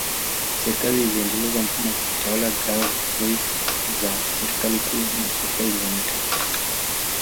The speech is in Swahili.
Serikali iliendeleza mfumo wa kiutawala ngazi ya Serikali Kuu na Serikali za Mitaa